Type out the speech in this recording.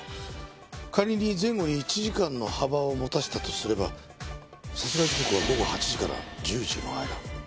仮に前後に１時間の幅を持たせたとすれば殺害時刻は午後８時から１０時の間。